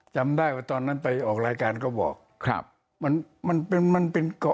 จำได้ว่าตอนนั้นไปออกรายการก็บอก